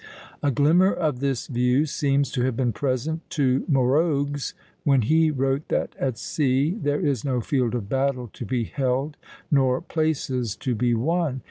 A glimmer of this view seems to have been present to Morogues when he wrote that at sea there is no field of battle to be held, nor places to be won.